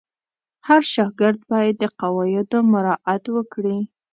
هر شاګرد باید د قواعدو مراعت وکړي.